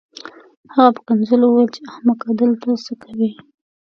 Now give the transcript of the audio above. هغه په کنځلو وویل چې احمقه دلته څه کوې